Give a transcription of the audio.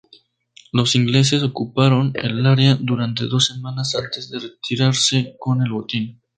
Los ingleses ocuparon el área durante dos semanas antes de retirarse con el botín.